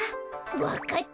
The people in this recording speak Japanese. わかった。